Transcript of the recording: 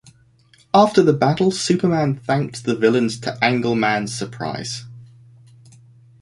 After the battle, Superman thanked the villains to Angle Man's surprise.